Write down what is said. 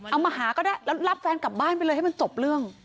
มาหาก็ได้แล้วรับแฟนกลับบ้านไปเลยให้มันจบเรื่อง